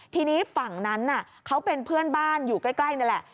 ทีนี้ฝั่งนั้นเขาเป็นเพื่อนบ้านอยู่ใกล้นี่แหละ